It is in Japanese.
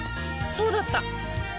そうだった！